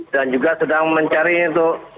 dan juga sedang mencari untuk